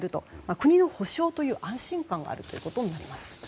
国の保障という安心感があることになります。